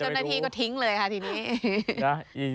จนนาทีก็ทิ้งเลยค่ะทีนี้